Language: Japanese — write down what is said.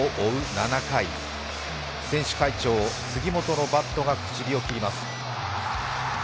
７回、選手会長、杉本のバットが口火を切ります。